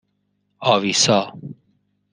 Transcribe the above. آویسا